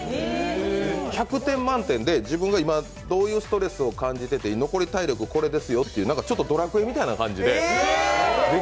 １００点満点で自分が今どういうストレスを感じていて残り体力これですよっていう、ちょっとドラクエみたいな感じで。